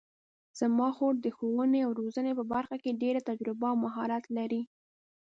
زما خور د ښوونې او روزنې په برخه کې ډېره تجربه او مهارت لري